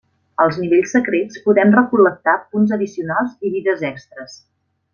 Als nivells secrets podem recol·lectar punts addicionals i vides extres.